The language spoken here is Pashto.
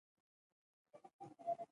د ښوونځي ښه ملګری قلم دی.